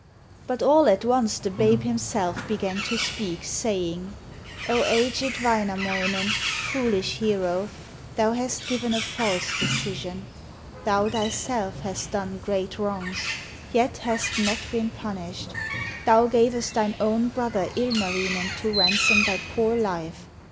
But all at once the babe himself began to speak, saying: 'O aged Wainamoinen, foolish hero, thou hast given a false decision. Thou thyself hast done great wrongs, yet hast not been punished. Thou gavest thine own brother Ilmarinen to ransom thy poor life.